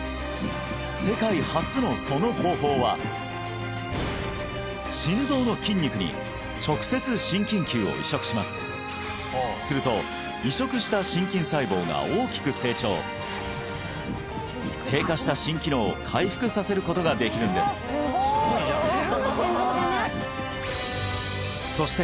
世界初のその方法は心臓の筋肉に直接心筋球を移植しますすると移植した心筋細胞が大きく成長低下した心機能を回復させることができるんですそして